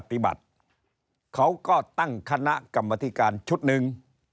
ปฏิบัติเขาก็ตั้งคณะกรรมธิการชุดหนึ่ง